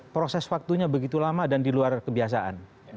proses waktunya begitu lama dan di luar kebiasaan